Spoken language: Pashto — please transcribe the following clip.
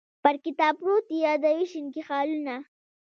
پر کتاب پروت یې یادوې شینکي خالونه